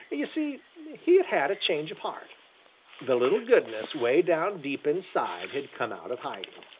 You see, he had had a change of heart. The little goodness way down deep inside had come out of hiding.